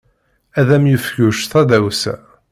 Ad am-yefk Yuc tadawsa.